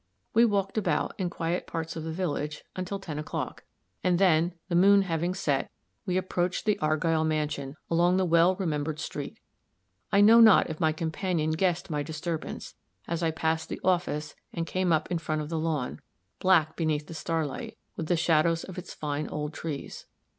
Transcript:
We walked about, in quiet parts of the village, until ten o'clock; and then, the moon having set, we approached the Argyll mansion, along the well remembered street. I know not if my companion guessed my disturbance, as I passed the office and came up in front of the lawn, black beneath the starlight, with the shadows of its fine old trees.